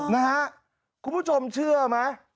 นะฮะคุณผู้ชมเชื่อไหม